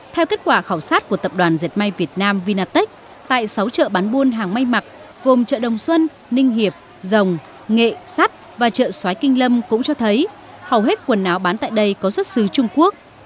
theo kết quả khảo sát của tập đoàn dệt may việt nam vinatech tại sáu chợ bán buôn hàng may mặc gồm chợ đồng xuân ninh hiệp dòng nghệ sắt và chợ xoái kinh lâm cũng cho thấy hầu hết quần áo bán tại đây có xuất xứ trung quốc